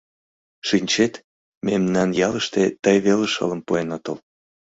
Шинчет, мемнан ялыште тый веле шылым пуэн отыл.